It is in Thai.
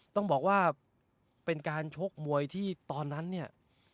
ต้องบอกว่าเป็นการชกมวยที่ตอนนั้นเนี่ย